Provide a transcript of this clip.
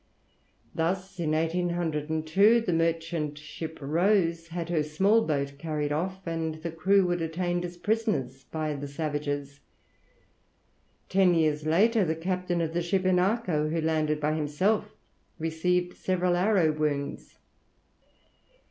Thus in 1802 the merchant ship Rose had her small boat carried off, and the crew were detained as prisoners by the savages. Ten years later, the captain of the ship Inacho, who landed by himself, received several arrow wounds.